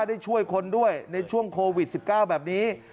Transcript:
ได้ช่วยคนด้วยในช่วงโควิด๑๙แบบนี้